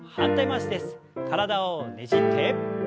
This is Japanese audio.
体をねじって。